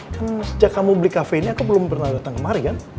kan sejak kamu beli kafe ini aku belum pernah datang kemari kan